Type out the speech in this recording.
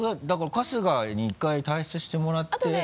だから春日に１回退出してもらって。